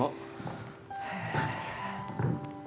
そうなんです。